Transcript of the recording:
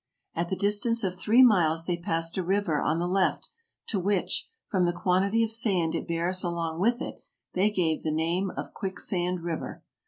At the distance of three miles they passed a river on the left, to which, from the quantity of sand it bears along with it, they gave the name of Quicksand River.